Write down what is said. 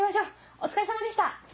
お疲れさまでした！